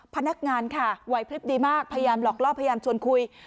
พนักงานค่ะไหวพลิบดีมากพยายามหลอกล่อพยายามชวนคุย